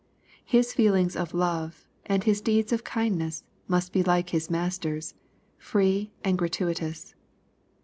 His feelings of love, and his deeds of kindness, must be like his Master's, — ^free and gratuitous.